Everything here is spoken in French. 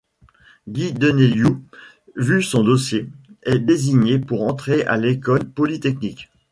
Guy Deniélou, vu son dossier, est désigné pour entrer à l'École polytechnique.